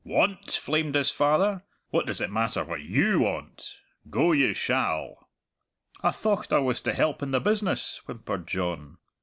"Want?" flamed his father. "What does it matter what you want? Go you shall." "I thocht I was to help in the business," whimpered John.